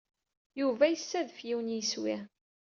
Yuba yessadef yiwen n yeswi.